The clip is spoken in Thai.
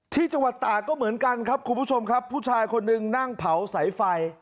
ที่จังหวัดตาก็เหมือนกันครับคุณผู้ชมครับผู้ชายคนหนึ่งนั่งเผาสายไฟ